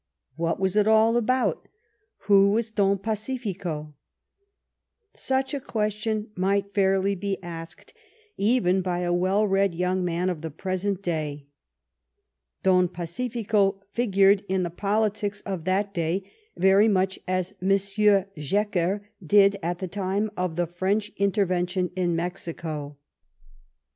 What was it all about ? Who was Don Pacifico ? Such questions might fairly be asked even by a well read young man of the present day. Don Pacifico figured in the politics of that day very much as Monsieur Jecker did at the time of the French intervention in Mexico.